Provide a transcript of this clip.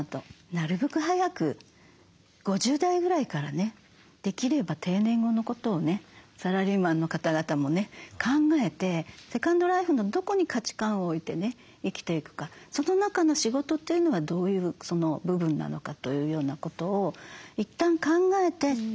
なるべく早く５０代ぐらいからねできれば定年後のことをねサラリーマンの方々もね考えてセカンドライフのどこに価値観を置いてね生きていくかその中の仕事というのがどういう部分なのかというようなことをいったん考えて。